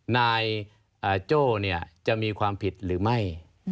นายโจ้จะมีความผิดหรือไม่